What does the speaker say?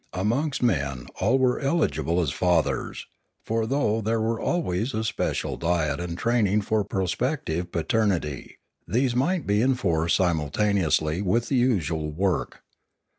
Amongst men all were eligible as fathers; for though there were always a special diet and training for prospective paternity, these might be enforced simultaneously with the usual work.